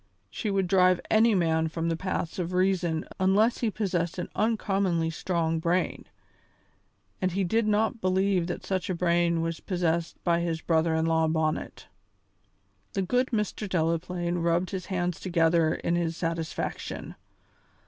She would drive any man from the paths of reason unless he possessed an uncommonly strong brain, and he did not believe that such a brain was possessed by his brother in law Bonnet. The good Mr. Delaplaine rubbed his hands together in his satisfaction.